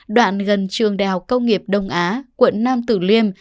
đoạn gần trường đại học công nghiệp đông á quận nam tử liêm